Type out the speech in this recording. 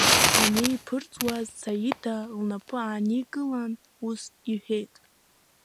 Ианеиԥырҵуаз, Саида лнапы ааникылан, ус иҳәеит…